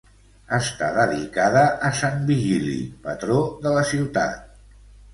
Està dedicada a sant Vigili, patró de la ciutat.